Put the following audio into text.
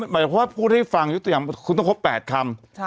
หมายถึงพูดให้ฟังอยู่ตัวอย่างคุณต้องคบ๘คำ